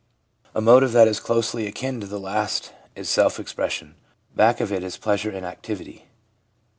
A motive that is closely akin to the last is self expression. Back of it is pleasure in activity.